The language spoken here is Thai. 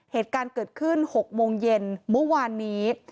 เหตุการณ์เกิดขึ้น๖โมงเย็นเมื่อวานนี้